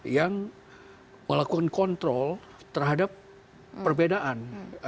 yang melakukan kontrol terhadap perbedaan